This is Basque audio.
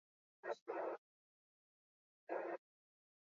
Bi minutu dituzu burura datozkizun hitz guztiak idazteko.